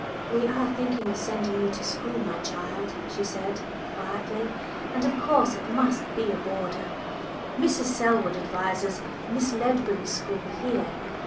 "We are thinking of sending you to school, my child," she said quietly, "and of course it must be as a boarder. Mrs. Selwood advises Miss Ledbury's school here.